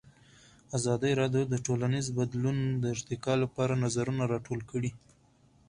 ازادي راډیو د ټولنیز بدلون د ارتقا لپاره نظرونه راټول کړي.